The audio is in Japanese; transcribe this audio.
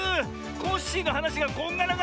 コッシーのはなしがこんがらがってて。